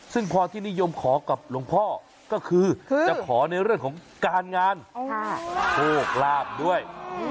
ซึ่งพอที่นิยมขอกับหลวงพ่อก็คือจะขอในเรื่องของการงานโชคลาภด้วย